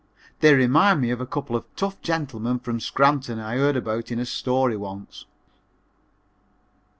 They remind me of a couple of tough gentlemen from Scranton I heard about in a story once.